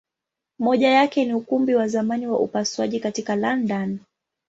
Moja yake ni Ukumbi wa zamani wa upasuaji katika London.